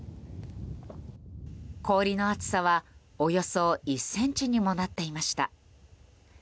氷の厚さはおよそ１ｃｍにもなっていました。